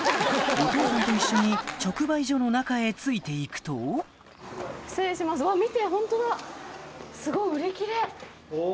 お父さんと一緒に直売所の中へついて行くとおぉ！